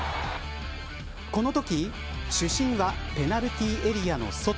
このとき主審はペナルティーエリアの外。